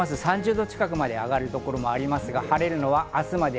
３０度近く上がるところまでありますが晴れるのは明日まで。